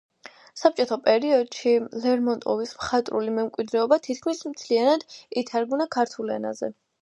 საბჭოთა პერიოდში ლერმონტოვის მხატვრული მემკვიდრეობა თითქმის მთლიანად ითარგმნა ქართულ ენაზე.